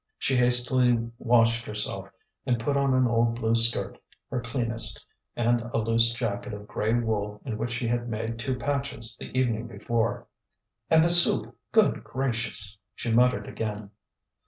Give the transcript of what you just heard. She hastily washed herself and put on an old blue skirt, her cleanest, and a loose jacket of grey wool in which she had made two patches the evening before. "And the soup! Good gracious!" she muttered again.